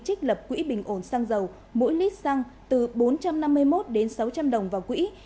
trích lập quỹ bình ổn xăng dầu mỗi lít xăng từ bốn trăm năm mươi một đến sáu trăm linh đồng vào quỹ